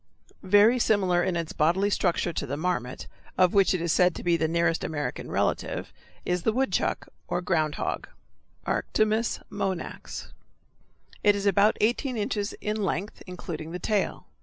Very similar in its bodily structure to the marmot, of which it is said to be the nearest American relative, is the woodchuck or ground hog (Arctomys monax). It is about eighteen inches in length, including the tail.